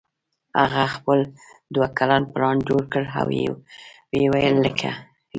هغه خپل دوه کلن پلان جوړ کړ او ویې لیکه